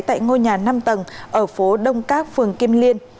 tại ngôi nhà năm tầng ở phố đông các phường kim liên